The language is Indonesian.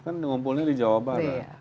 kan ngumpulnya di jawa barat